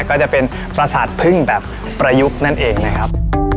ก็จะเป็นประสาทพึ่งแบบประยุกต์นั่นเองนะครับ